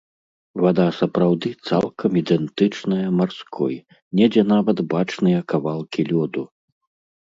Вада сапраўды цалкам ідэнтычная марской, недзе нават бачныя кавалкі лёду.